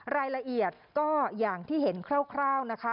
รายละเอียดก็อย่างที่เห็นคร่าวนะคะ